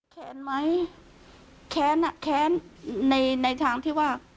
แค้นไหมแค้นอ่ะแค้นในในทางที่ว่า